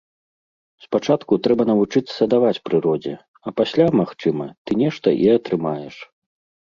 Спачатку трэба навучыцца даваць прыродзе, а пасля, магчыма, ты нешта і атрымаеш.